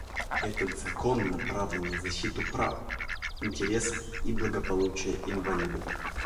Этот закон направлен на защиту прав, интересов и благополучия инвалидов.